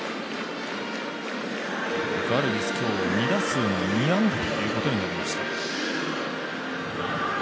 ガルビス、今日、２打数の２安打ということになりました。